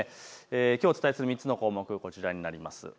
きょうお伝えする３つの項目、こちらになります。